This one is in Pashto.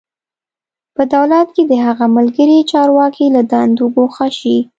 په دولت کې د هغه ملګري چارواکي له دندو ګوښه شي.